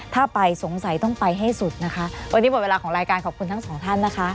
ถ้าไปสงสัยต้องไปให้สุดนะคะวันนี้หมดเวลาของรายการขอบคุณทั้งสองท่านนะคะ